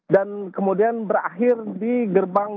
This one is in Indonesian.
kemudian berakhir di gerbang